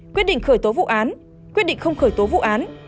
quyết định khởi tố vụ án quyết định không khởi tố vụ án